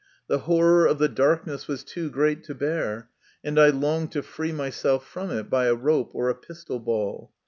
The horror of the darkness was too great to bear, and I longed to free myself from it by a rope or a pistol ball.